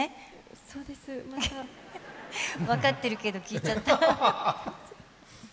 そうです、まだ。分かってるけど、聞いちゃった。